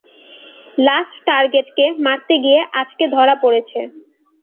Last টার্গেটকে মারতে গিয়ে আজকে ধরা পড়েছে।